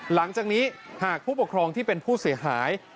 หลังจากนี้หากผู้ปกครองที่เป็นผู้เสียหาย